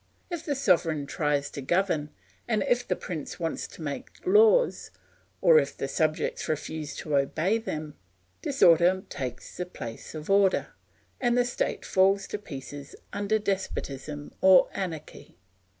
If the sovereign tries to govern, and if the prince wants to make the laws, or if the subject refuses to obey them, disorder takes the place of order, and the state falls to pieces under despotism or anarchy.